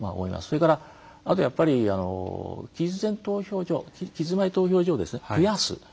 それからあとやっぱり期日前投票所を増やす。